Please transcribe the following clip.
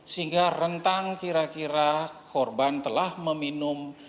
sehingga rentang kira kira korban telah meminum